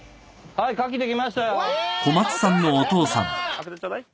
開けてちょうだい。